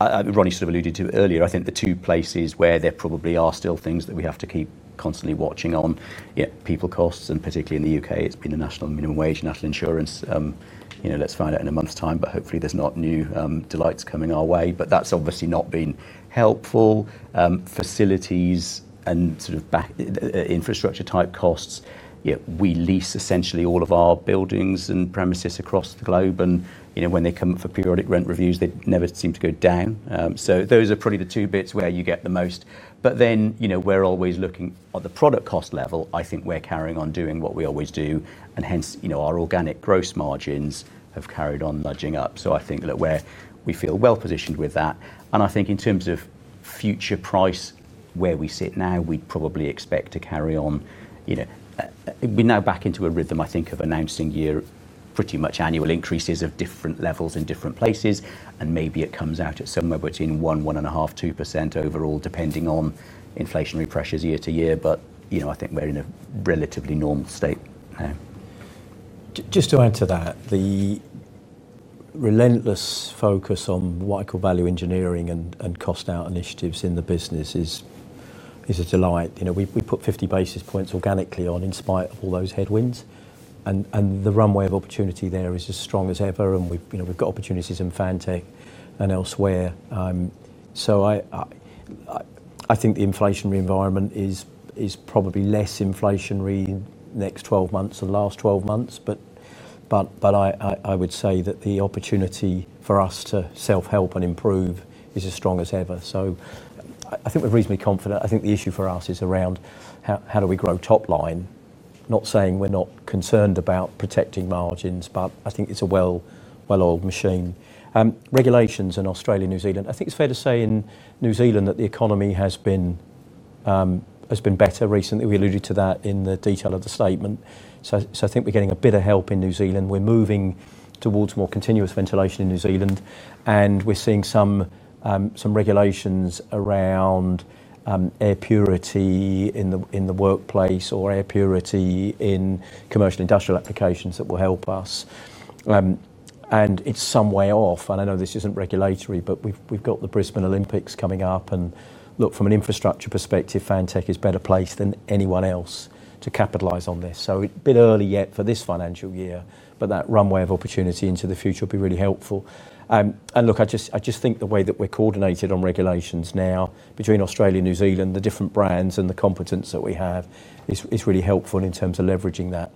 Ronnie sort of alluded to earlier, I think the two places where there probably are still things that we have to keep constantly watching on, people costs and particularly in the U.K., it's been the national minimum wage, national insurance. Let's find out in a month's time, but hopefully there's not new delights coming our way. That's obviously not been helpful. Facilities and sort of back infrastructure type costs, we lease essentially all of our buildings and premises across the globe. When they come for periodic rent reviews, they never seem to go down. Those are probably the two bits where you get the most. We're always looking at the product cost level. I think we're carrying on doing what we always do, and hence our organic gross margins have carried on nudging up. I think we feel well positioned with that. In terms of future price, where we sit now, we'd probably expect to carry on. We're now back into a rhythm, I think, of announcing pretty much annual increases of different levels in different places. Maybe it comes out at somewhere between 1%, 1.5%, 2% overall, depending on inflationary pressures year to year. I think we're in a relatively normal state. Just to add to that, the relentless focus on what I call value engineering and cost out initiatives in the business is a delight. We put 50 basis points organically on in spite of all those headwinds, and the runway of opportunity there is as strong as ever. We've got opportunities in Fantech and elsewhere. I think the inflationary environment is probably less inflationary in the next 12 months than the last 12 months. I would say that the opportunity for us to self-help and improve is as strong as ever. I think we're reasonably confident. The issue for us is around how do we grow top line. Not saying we're not concerned about protecting margins, but I think it's a well-oiled machine. Regulations in Australia and New Zealand, I think it's fair to say in New Zealand that the economy has been better recently. We alluded to that in the detail of the statement. I think we're getting a bit of help in New Zealand. We're moving towards more continuous ventilation in New Zealand, and we're seeing some regulations around air purity in the workplace or air purity in commercial industrial applications that will help us. It's some way off. I know this isn't regulatory, but we've got the Brisbane Olympics coming up. Look, from an infrastructure perspective, Fantech is better placed than anyone else to capitalize on this. It's a bit early yet for this financial year, but that runway of opportunity into the future will be really helpful. I just think the way that we're coordinated on regulations now between Australia and New Zealand, the different brands and the competence that we have is really helpful in terms of leveraging that.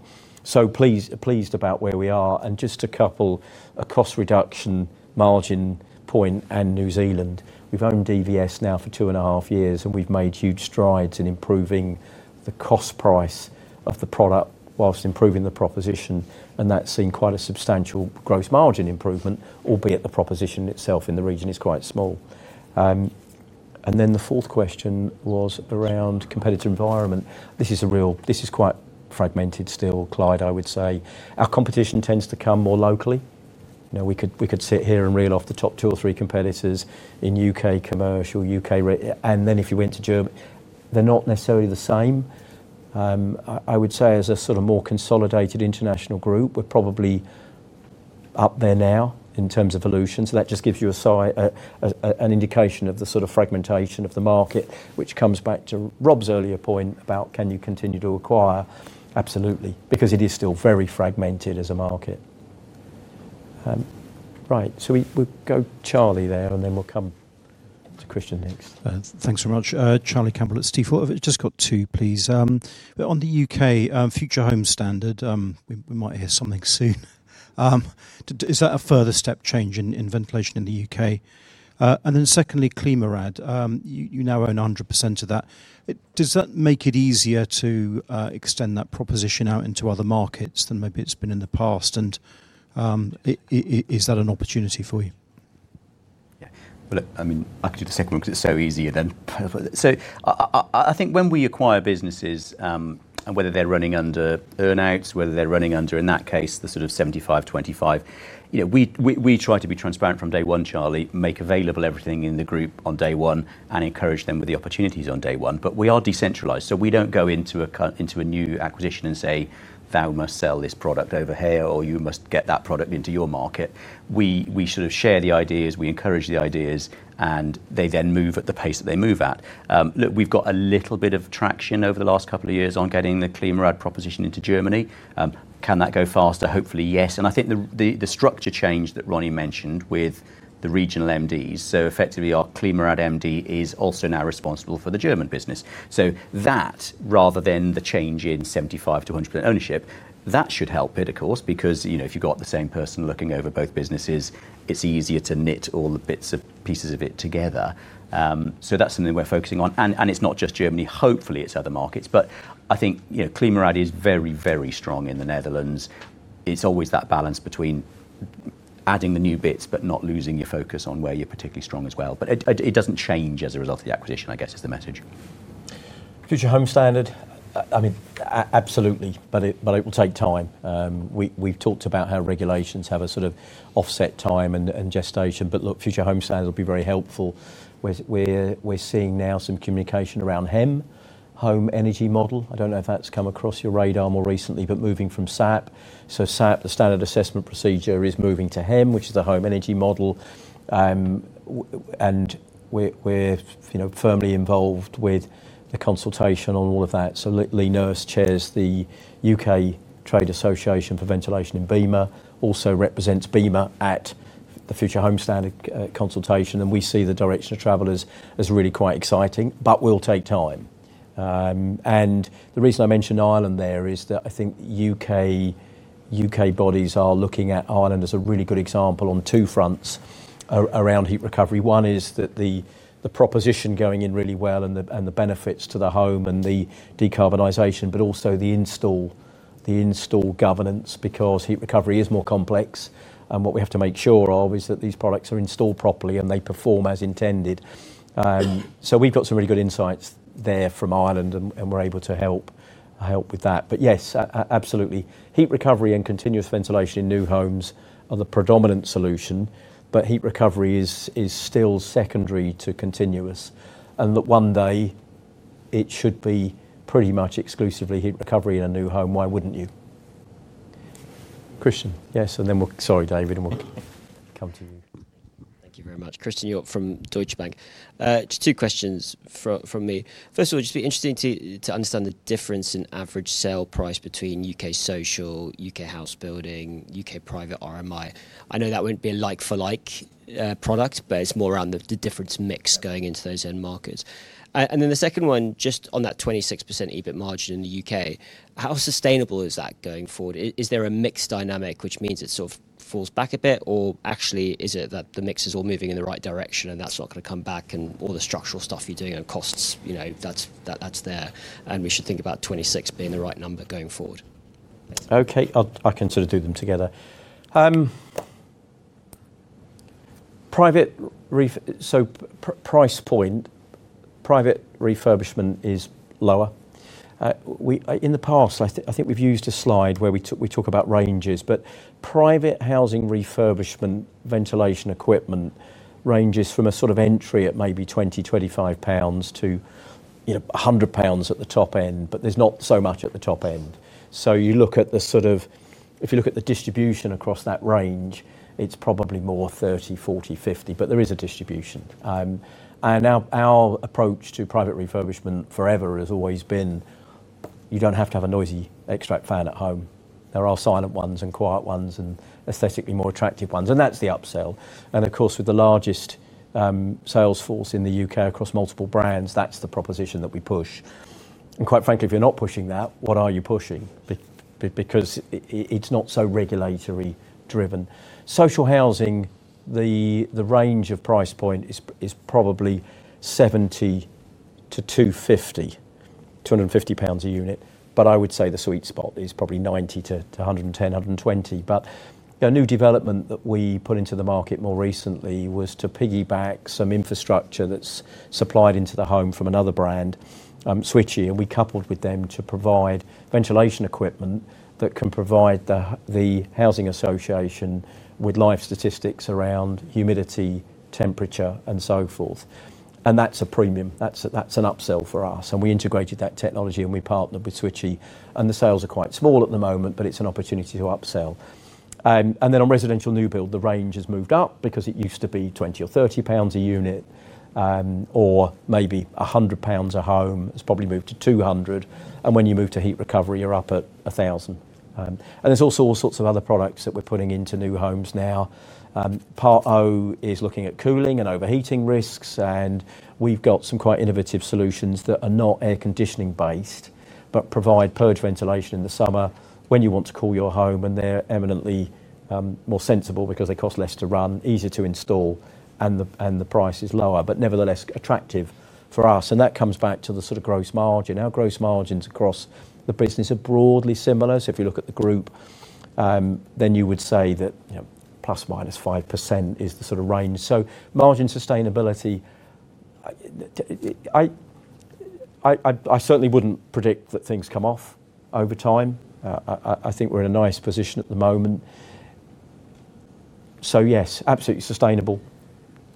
Pleased about where we are. Just a couple of cost reduction margin points and New Zealand. We've owned DVS now for two and a half years, and we've made huge strides in improving the cost price of the product whilst improving the proposition. That's seen quite a substantial gross margin improvement, albeit the proposition itself in the region is quite small. The fourth question was around competitor environment. This is quite fragmented still, Clyde, I would say. Our competition tends to come more locally. We could sit here and reel off the top two or three competitors in U.K. commercial, U.K., and then if you went to Germany, they're not necessarily the same. I would say as a sort of more consolidated international group, we're probably up there now in terms of Volution. That just gives you a sign, an indication of the sort of fragmentation of the market, which comes back to Rob's earlier point about can you continue to acquire. Absolutely, because it is still very fragmented as a market. Right. We go Charlie there, and then we'll come to Christian next. Thanks very much. Charlie Campbell at Stifel. Just got two, please. On the U.K. Future Home Standard, we might hear something soon. Is that a further step change in ventilation in the U.K.? Secondly, ClimaRad, you now own 100% of that. Does that make it easier to extend that proposition out into other markets than maybe it's been in the past? Is that an opportunity for you? Yeah, I mean, I can do the second one because it's so easier then. I think when we acquire businesses and whether they're running under burnouts, whether they're running under, in that case, the sort of [75%-25%], you know, we try to be transparent from day one, Charlie, make available everything in the group on day one and encourage them with the opportunities on day one. We are decentralized. We don't go into a new acquisition and say, "Thou must sell this product over here," or, "You must get that product into your market." We sort of share the ideas, we encourage the ideas, and they then move at the pace that they move at. Look, we've got a little bit of traction over the last couple of years on getting the ClimaRad proposition into Germany. Can that go faster? Hopefully, yes. I think the structure change that Ronnie mentioned with the regional MDs. Effectively, our ClimaRad MD is also now responsible for the German business. That, rather than the change in 75 to 100% ownership, should help it, of course, because, you know, if you've got the same person looking over both businesses, it's easier to knit all the bits of pieces of it together. That's something we're focusing on. It's not just Germany. Hopefully, it's other markets. I think, you know, ClimaRad is very, very strong in the Netherlands. It's always that balance between adding the new bits, but not losing your focus on where you're particularly strong as well. It doesn't change as a result of the acquisition, I guess, is the message. Future Home Standard. Absolutely, but it will take time. We've talked about how regulations have a sort of offset time and gestation. Future Home Standard will be very helpful. We're seeing now some communication around HEM, Home Energy Model. I don't know if that's come across your radar more recently, but moving from SAP. SAP, the Standard Assessment Procedure, is moving to HEM, which is the Home Energy Model. We're firmly involved with the consultation on all of that. [Lee Nurse] chairs the U.K. Trade Association for Ventilation in BEAMA and also represents BEAMA at the Future Home Standard consultation. We see the direction of travel as really quite exciting, but it will take time. The reason I mention Ireland there is that I think U.K. bodies are looking at Ireland as a really good example on two fronts around heat recovery. One is that the proposition is going in really well and the benefits to the home and the decarbonization, but also the install governance because heat recovery is more complex. What we have to make sure of is that these products are installed properly and they perform as intended. We've got some really good insights there from Ireland and we're able to help with that. Yes, absolutely. Heat recovery and continuous ventilation in new homes are the predominant solution, but heat recovery is still secondary to continuous. One day it should be pretty much exclusively heat recovery in a new home. Why wouldn't you? Christian, yes. David, we'll come to you. Thank you very much. Christian, you're from Deutsche Bank. Two questions from me. First of all, it's interesting to understand the difference in average sale price between U.K. social, U.K. house building, U.K. private RMI. I know that won't be a like-for-like product, but it's more around the difference mix going into those end markets. The second one, just on that 26% EBIT margin in the U.K., how sustainable is that going forward? Is there a mix dynamic, which means it sort of falls back a bit, or actually is it that the mix is all moving in the right direction and that's not going to come back and all the structural stuff you're doing and costs, you know, that's there. We should think about 26% being the right number going forward. Okay, I can sort of do them together. Private refurbishment is lower. In the past, I think we've used a slide where we talk about ranges, but private housing refurbishment ventilation equipment ranges from a sort of entry at maybe 20 pounds, 25 pounds to, you know, 100 pounds at the top end, but there's not so much at the top end. If you look at the distribution across that range, it's probably more 30, 40, 50, but there is a distribution. Our approach to private refurbishment forever has always been, you don't have to have a noisy extract fan at home. There are silent ones and quiet ones and aesthetically more attractive ones, and that's the upsell. Of course, with the largest sales force in the U.K. across multiple brands, that's the proposition that we push. Quite frankly, if you're not pushing that, what are you pushing? Because it's not so regulatory driven. Social housing, the range of price point is probably 70 to 250 pounds a unit. I would say the sweet spot is probably 90 to 110, 120. A new development that we put into the market more recently was to piggyback some infrastructure that's supplied into the home from another brand, Switchee, and we coupled with them to provide ventilation equipment that can provide the housing association with live statistics around humidity, temperature, and so forth. That's a premium. That's an upsell for us. We integrated that technology and we partnered with Switchee. The sales are quite small at the moment, but it's an opportunity to upsell. On residential new build, the range has moved up because it used to be 20 or 30 pounds a unit, or maybe 100 pounds a home. It's probably moved to 200. When you move to heat recovery, you're up at 1,000. There are also all sorts of other products that we're putting into new homes now. Part O is looking at cooling and overheating risks. We've got some quite innovative solutions that are not air conditioning based, but provide purge ventilation in the summer when you want to cool your home. They're eminently more sensible because they cost less to run, easier to install, and the price is lower, but nevertheless attractive for us. That comes back to the sort of gross margin. Our gross margins across the business are broadly similar. If you look at the group, then you would say that, you know, ±5% is the sort of range. Margin sustainability, I certainly wouldn't predict that things come off over time. I think we're in a nice position at the moment. Yes, absolutely sustainable.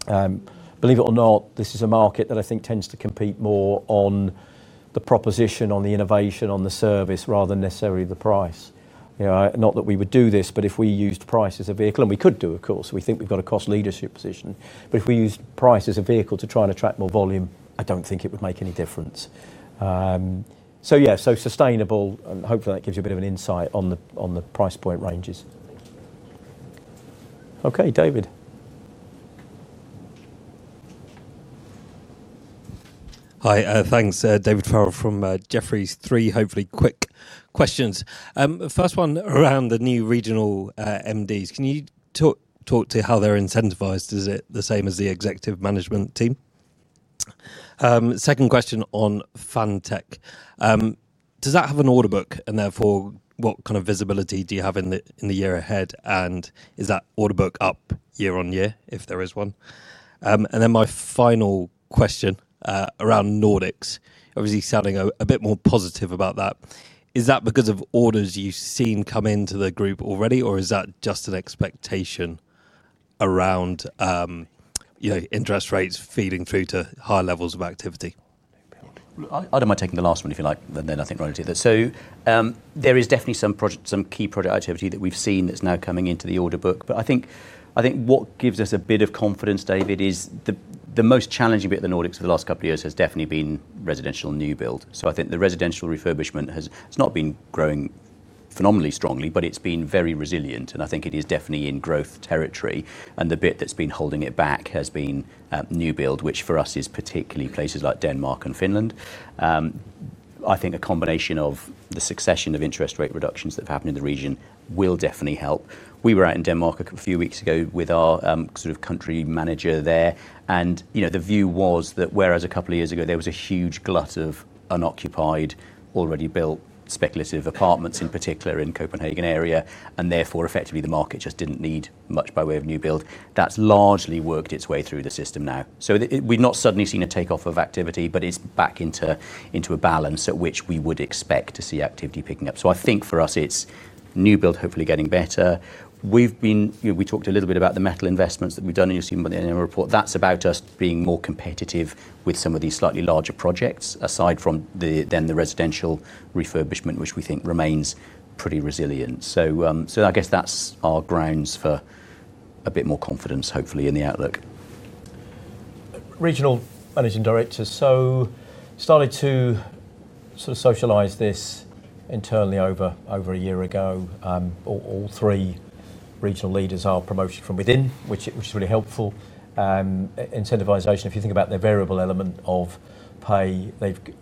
Believe it or not, this is a market that I think tends to compete more on the proposition, on the innovation, on the service, rather than necessarily the price. Not that we would do this, but if we used price as a vehicle, and we could do, of course, we think we've got a cost leadership position, but if we used price as a vehicle to try and attract more volume, I don't think it would make any difference. Sustainable, and hopefully that gives you a bit of an insight on the price point ranges. Okay, David. Hi, thanks. David from Jefferies. Three, hopefully quick questions. The first one around the new regional MDs. Can you talk to how they're incentivized? Is it the same as the executive management team? Second question on Fantech. Does that have an order book, and therefore what kind of visibility do you have in the year ahead? Is that order book up year-on-year if there is one? My final question around Nordics, obviously sounding a bit more positive about that. Is that because of orders you've seen come into the group already, or is that just an expectation around, you know, interest rates feeding through to high levels of activity? I don't mind taking the last one if you like, and then I think Ronnie. There is definitely some key product activity that we've seen that's now coming into the order book. What gives us a bit of confidence, David, is the most challenging bit of the Nordics over the last couple of years has definitely been residential new build. I think the residential refurbishment has not been growing phenomenally strongly, but it's been very resilient. I think it is definitely in growth territory. The bit that's been holding it back has been new build, which for us is particularly places like Denmark and Finland. I think a combination of the succession of interest rate reductions that have happened in the region will definitely help. We were out in Denmark a few weeks ago with our sort of country manager there, and the view was that whereas a couple of years ago there was a huge glut of unoccupied, already built speculative apartments, in particular in the Copenhagen area, and therefore effectively the market just didn't need much by way of new build. That's largely worked its way through the system now. We've not suddenly seen a takeoff of activity, but it's back into a balance at which we would expect to see activity picking up. I think for us it's new build hopefully getting better. We talked a little bit about the metal investments that we've done in your report. That's about us being more competitive with some of these slightly larger projects aside from then the residential refurbishment, which we think remains pretty resilient. I guess that's our grounds for a bit more confidence hopefully in the outlook. Regional Managing Directors. We started to sort of socialize this internally over a year ago. All three regional leaders are promoted from within, which is really helpful. Incentivization, if you think about the variable element of pay,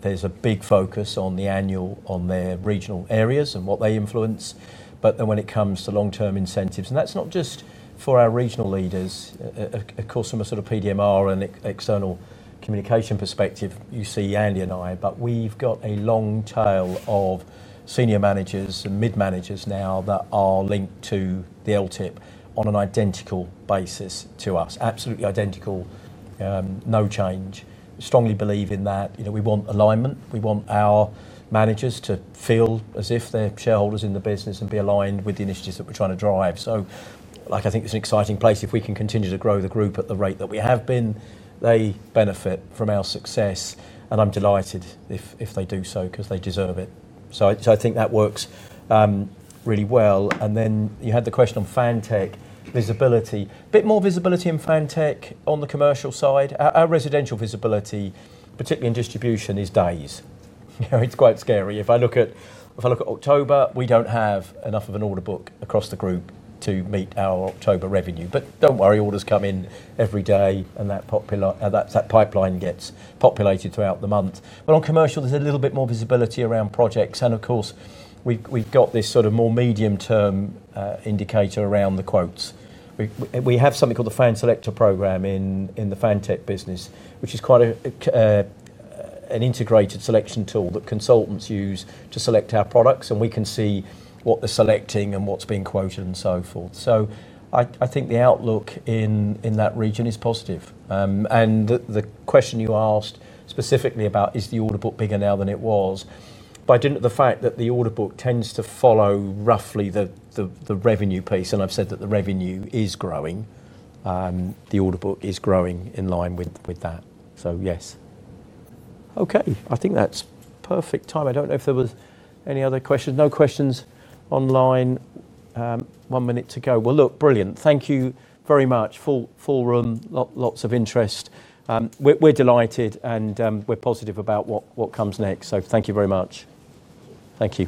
there's a big focus on the annual on their regional areas and what they influence. When it comes to long-term incentives, and that's not just for our regional leaders, of course, from a sort of PDMR and external communication perspective, you see Andy and I, but we've got a long tail of Senior Managers and Mid-Managers now that are linked to the [LTIP] on an identical basis to us. Absolutely identical, no change. Strongly believe in that, you know, we want alignment. We want our managers to feel as if they're shareholders in the business and be aligned with the initiatives that we're trying to drive. I think it's an exciting place if we can continue to grow the group at the rate that we have been. They benefit from our success, and I'm delighted if they do so because they deserve it. I think that works really well. You had the question on Fantech visibility. A bit more visibility in Fantech on the commercial side. Our residential visibility, particularly in distribution, is days. It's quite scary. If I look at October, we don't have enough of an order book across the group to meet our October revenue. Don't worry, orders come in every day, and that pipeline gets populated throughout the month. On commercial, there's a little bit more visibility around projects. Of course, we've got this sort of more medium-term indicator around the quotes. We have something called the Fan Selector Program in the Fantech business, which is quite an integrated selection tool that consultants use to select our products. We can see what they're selecting and what's being quoted and so forth. I think the outlook in that region is positive. The question you asked specifically about is the order book bigger now than it was, by the fact that the order book tends to follow roughly the revenue pace. I've said that the revenue is growing. The order book is growing in line with that. Yes. I think that's perfect time. I don't know if there was any other questions. No questions online. One minute to go. Thank you very much. Full run, lots of interest. We're delighted and we're positive about what comes next. Thank you very much. Thank you.